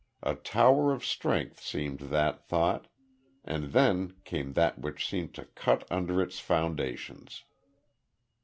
A tower of strength seemed that thought and then came that which seemed to cut under its foundations.